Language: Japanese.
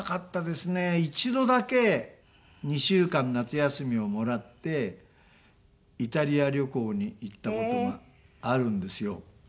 一度だけ２週間夏休みをもらってイタリア旅行に行った事があるんですよ。